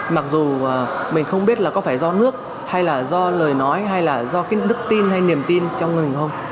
mặc dù mình không biết là có phải do nước hay là do lời nói hay là do cái đức tin hay niềm tin trong mình không